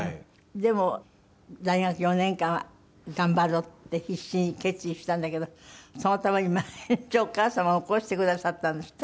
でも大学４年間は頑張ろうって必死に決意したんだけどそのために毎日お母様起こしてくださったんですって？